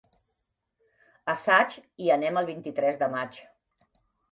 A Saix hi anem el vint-i-tres de maig.